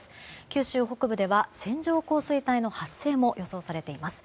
九州北部では線状降水帯の発生も予想されています。